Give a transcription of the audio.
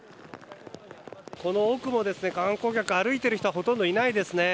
この奥も観光客歩いている人はほとんどいないですね。